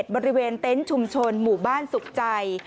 บริเวณเต็นต์ชุมชนหมู่บ้านสุขใจ